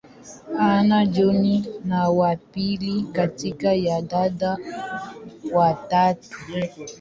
Hannah-Jones ni wa pili kati ya dada watatu.